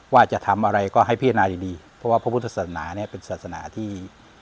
ว่าจะทำอะไรก็ให้พิจารณาดีดีเพราะว่าพระพุทธศาสนาเนี่ยเป็นศาสนาที่